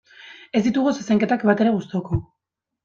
Ez ditugu zezenketak batere gustuko.